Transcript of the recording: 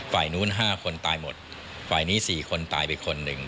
ฝ่ายนู้น๕คนตายหมดฝ่ายนี้๔คนตายไปคนหนึ่ง